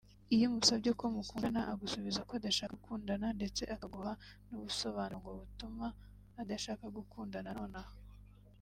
Iyo umusabye ko mwakundana agusubiza ko adashaka gukundana ndetse akaguha nubusobanuro ngo butuma adashaka gukundana nonaha